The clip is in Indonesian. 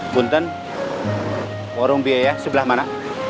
bunten warung biaya sebelah mana